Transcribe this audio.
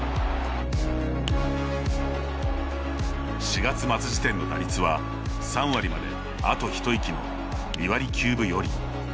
４月末の時点の打率は３割まであと一息の２割９分４厘。